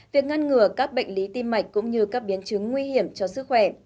việc ngăn ngừa các bệnh lý tim mạch cũng như các biến chứng nguy hiểm cho sức khỏe